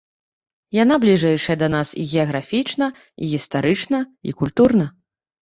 Яна бліжэйшая да нас і геаграфічна, і гістарычна, і культурна.